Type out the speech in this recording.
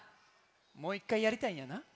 もう１かいやりたいんやな。